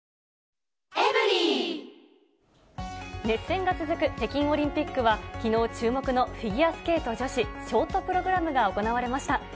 熱戦が続く北京オリンピックは、きのう、注目のフィギュアスケート女子ショートプログラムが行われました。